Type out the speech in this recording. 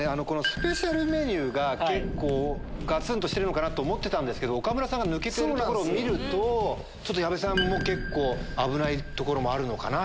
スペシャルメニューがガツンとしてると思ったけど岡村さんが抜けてるところをみると矢部さんも結構危ないところもあるのかな。